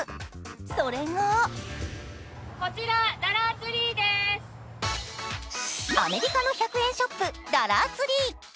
それがアメリカの１００円ショップ、ガラーツリー。